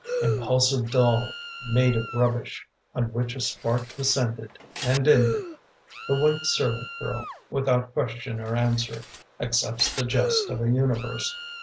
" Impulsive doll made of rubbish On which a spark descended and ended, The white servant girl, without question or answer, Accepts the jest of a universe.